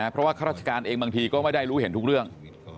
เพราะว่าข้าราชการเองบางทีก็ไม่ได้รู้เห็นทุกเรื่อง